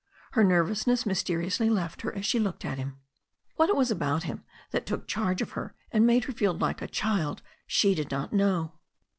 Her nervousness mysteriously left her as she looked at him. What it was about him that took charge of her and made her feel like a child she did not know.